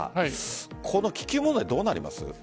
この気球問題、どうなりますか？